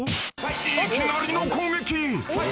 いきなりの攻撃！